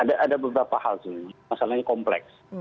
ada beberapa hal sih masalahnya kompleks